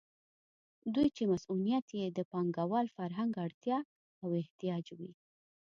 دوی چې مصونیت یې د پانګوال فرهنګ اړتیا او احتیاج وي.